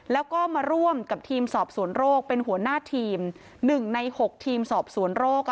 แล้วก็มาร่วมกับทีมสอบสวนโรคเป็นหัวหน้าทีม๑ใน๖ทีมสอบสวนโรค